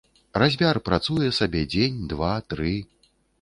Разьбяр працуе сабе дзень, два, тры.